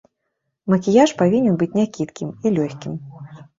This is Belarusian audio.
Макіяж павінен быць някідкім і лёгкім.